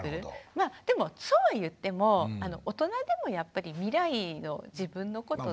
まあでもそうは言っても大人でもやっぱり未来の自分のことって不安。